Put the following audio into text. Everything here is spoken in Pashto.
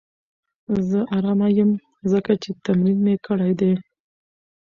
زه ارامه یم ځکه چې تمرین مې کړی دی.